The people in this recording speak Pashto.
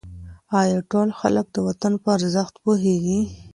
آیا ټول خلک د وطن په ارزښت پوهېږي؟